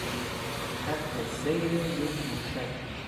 خط سیر یک موشک